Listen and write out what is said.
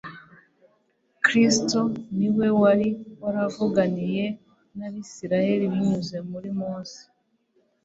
Kristo niwe wari waravuganiye n’Abisiraheli binyuze muri Mose.